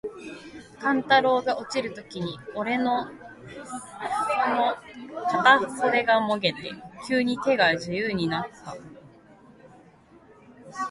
勘太郎が落ちるときに、おれの袷の片袖がもげて、急に手が自由になつた。